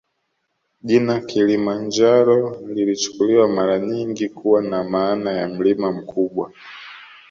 Jina Kilima Njaro lilichukuliwa mara nyingi kuwa na maana ya mlima mkubwa